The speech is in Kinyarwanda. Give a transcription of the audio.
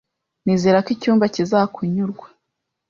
Nizera ko icyumba kizakunyurwa